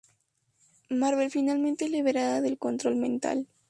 Marvel, finalmente es liberada del control mental.